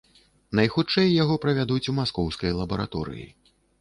Найхутчэй яго правядуць у маскоўскай лабараторыі.